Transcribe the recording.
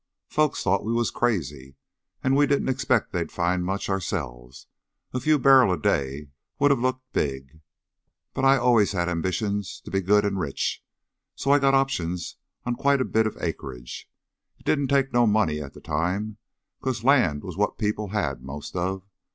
Folks thought we was crazy, and we didn't expect they'd find much, ourselves a few bar'l a day would of looked big but I allus had ambitions to be good an' rich, so I got options on quite a bit of acreage. It didn't take no money at the time, 'cause land was what people had most of.